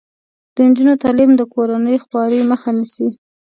د نجونو تعلیم د کورنۍ خوارۍ مخه نیسي.